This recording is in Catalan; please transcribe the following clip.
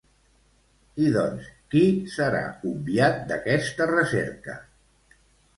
I doncs, qui serà obviat d'aquesta recerca?